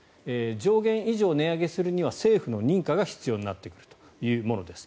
上限以上値上げするには政府の認可が必要になってくるというものです。